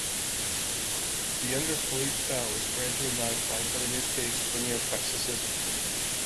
The younger Philippe's style was gradually modified by the new taste for Neoclassicism.